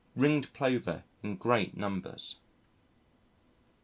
Ringed Plover in great numbers.